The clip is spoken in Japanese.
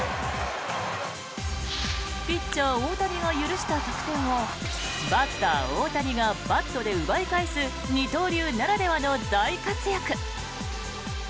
ピッチャー・大谷が許した得点をバッター・大谷がバットで奪い返す二刀流ならではの大活躍。